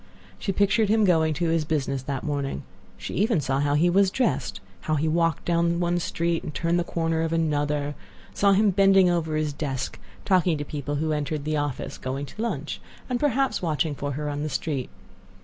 She pictured him going to his business that morning. She even saw how he was dressed; how he walked down one street, and turned the corner of another; saw him bending over his desk, talking to people who entered the office, going to his lunch, and perhaps watching for her on the street.